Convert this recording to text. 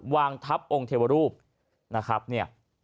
วางทับองค์เทวรูปนะครับเนี่ย